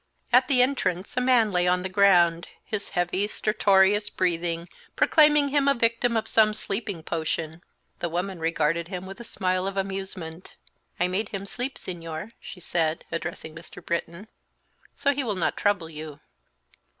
At the entrance a man lay on the ground, his heavy stertorous breathing proclaiming him a victim of some sleeping potion. The woman regarded him with a smile of amusement. "I made him sleep, Señor," she said, addressing Mr. Britton, "so he will not trouble you."